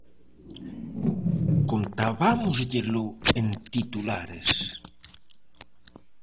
Contabámosllelo en titulares.